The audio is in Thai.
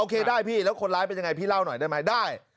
ได้พี่แล้วคนร้ายเป็นยังไงพี่เล่าหน่อยได้ไหมได้